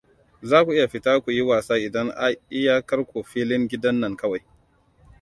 Za ku iya fita ku yi wasa idan iyakar ku filin gidan nan kawai.